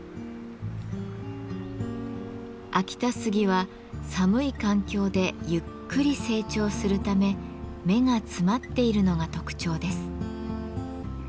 秋田杉は寒い環境でゆっくり成長するため目が詰まっているのが特徴です。